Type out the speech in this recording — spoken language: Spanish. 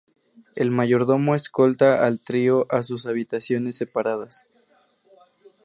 El mayordomo escolta al trío a sus habitaciones separadas.